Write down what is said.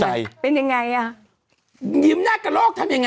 มดดำเป็นยังไงอะ